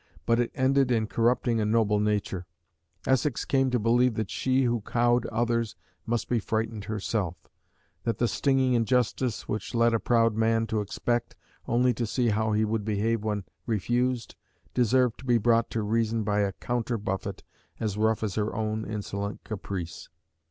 But it ended in corrupting a noble nature. Essex came to believe that she who cowed others must be frightened herself; that the stinging injustice which led a proud man to expect, only to see how he would behave when refused, deserved to be brought to reason by a counter buffet as rough as her own insolent caprice.